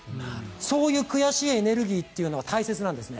そういう悔しいエネルギーって大切なんですね。